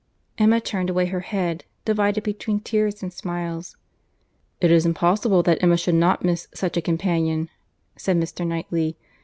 Emma turned away her head, divided between tears and smiles. "It is impossible that Emma should not miss such a companion," said Mr. Knightley.